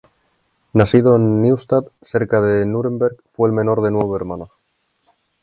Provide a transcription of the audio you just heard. Nacido en Neustadt cerca de Núremberg, fue el menor de nueve hermanos.